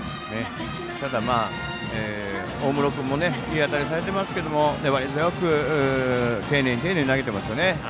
大室君もいい当たりされてますけど粘り強く丁寧に丁寧に投げていますよね。